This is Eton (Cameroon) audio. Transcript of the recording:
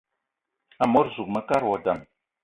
Amot zuga mekad wa dam: